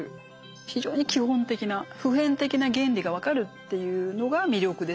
非常に基本的な普遍的な原理が分かるっていうのが魅力ですよね